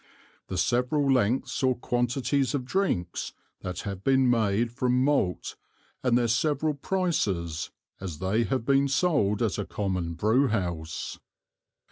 _The several Lengths or Quantities of Drinks that have been made from Malt, and their several Prices, as they have been sold at a common Brewhouse_.